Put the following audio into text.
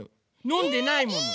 のんでないもの。